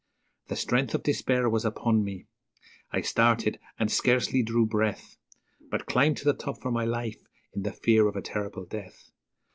The strength of despair was upon me; I started, and scarcely drew breath, But climbed to the top for my life in the fear of a terrible death.